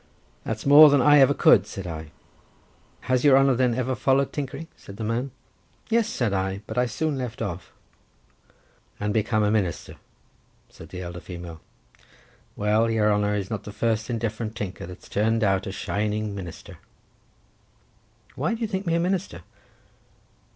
"That's more than I ever could," said I. "Has your haner then ever followed tinkering?" said the man. "Yes," said I, "but I soon left off." "And became a minister," said the elder female. "Well, your honour is not the first indifferent tinker, that's turn'd out a shining minister." "Why do you think me a minister?"